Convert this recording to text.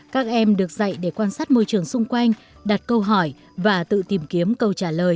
các em được dạy để quan sát môi trường xung quanh đặt câu hỏi và tự tìm kiếm câu trả lời